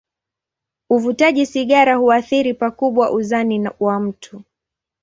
Uvutaji sigara huathiri pakubwa uzani wa mtu.